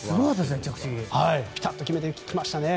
着地をピタッと決めてきましたね。